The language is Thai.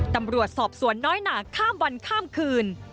ตำรวจสอบสวนน้อยหนาข้ามวันข้ามคืน